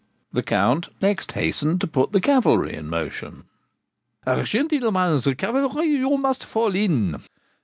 The Count next hastened to put the cavalry in motion. 'Gentilmans cavalry, you must fall in.